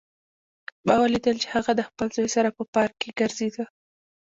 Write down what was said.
ما ولیدل چې هغه د خپل زوی سره په پارک کې ګرځېده